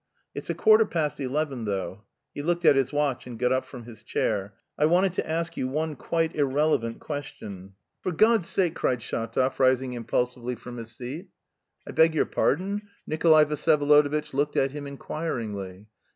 It's a quarter past eleven, though." He looked at his watch and got up from his chair. "I wanted to ask you one quite irrelevant question." "For God's sake!" cried Shatov, rising impulsively from his seat. "I beg your pardon?" Nikolay Vsyevolodovitch looked at him inquiringly.